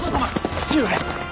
父上！